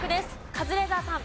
カズレーザーさん。